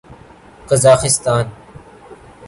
Kazakhstan